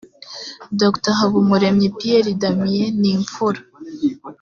dr habumuremyi pierre damien ni imfura